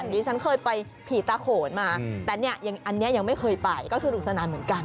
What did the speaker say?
ดิฉันเคยไปผีตาโขนมาแต่เนี่ยอันนี้ยังไม่เคยไปก็สนุกสนานเหมือนกัน